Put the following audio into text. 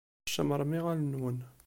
Tcemmṛem iɣallen-nwen.